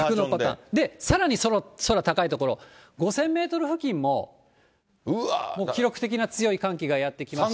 さらに、空高い所、５０００メートル付近も、記録的な強い寒気がやって来まして。